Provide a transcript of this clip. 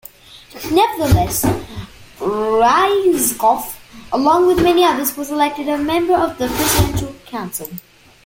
Nevertheless, Ryzhkov, along with many others, was elected a member of the Presidential Council.